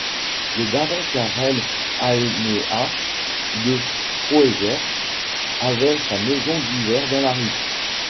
Le baron Karel Aeneas de Croeser avait sa maison d'hiver dans la rue.